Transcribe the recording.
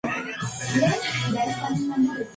Han influido mucho en la escena "alternativa".